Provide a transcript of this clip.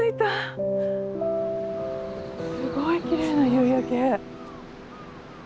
すごいきれいな夕焼け。